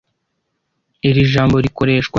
Iri jambo rikoreshwa.